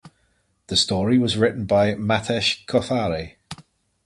The story was written by Mahesh Kothare.